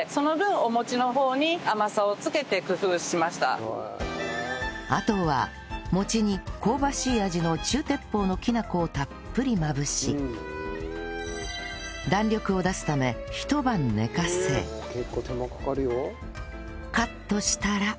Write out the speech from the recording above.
その分あとは餅に香ばしい味の中鉄砲のきなこをたっぷりまぶし弾力を出すためひと晩寝かせカットしたら